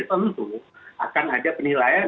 tentu akan ada penilaian